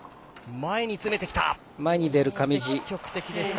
前に詰めてきた。